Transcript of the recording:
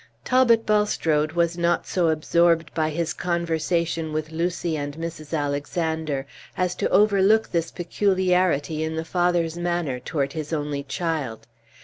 Talbot Bulstrode was not so absorbed by his conversation with Lucy and Mrs. Alexander as to overlook this peculiarity in the father's manner toward his only child.